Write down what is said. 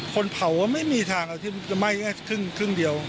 คนเผาไม่มีทางที่จะไหม้แค่ครึ่งเดียว